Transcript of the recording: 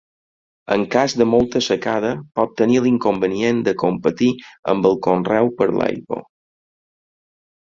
En cas de molta secada pot tenir l'inconvenient de competir amb el conreu per l'aigua.